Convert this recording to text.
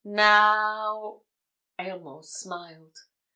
"Now—?" Aylmore smiled.